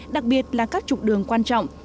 đặc biệt là các trục đường quan trọng